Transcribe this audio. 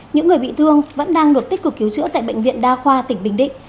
những người bị thương vẫn đang được tích cực cứu chữa tại bệnh viện đa khoa tỉnh bình định